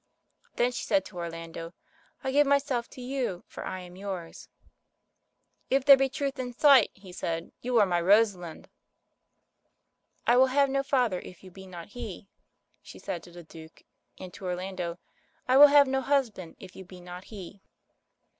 Then she said to Orlando, "I give myself to you, for I am yours.* "If there be truth in sight," he said, "you are my Rosalind." "I will have no father if you be not he," she said to the Duke and to Orlando, "I will have no husband if you be not he."